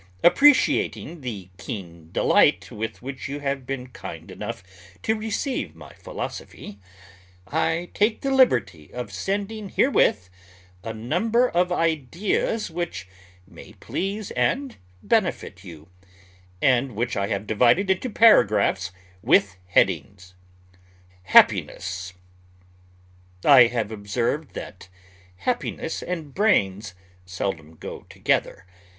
Appreciating the keen delight with which you have been kind enough to receive my philosophy, I take the liberty of sending herewith a number of ideas which may please and benefit you, and which I have divided into paragraphs with headings. HAPPINESS I have observed that happiness and brains seldom go together.